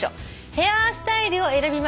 「ヘアスタイル」を選びました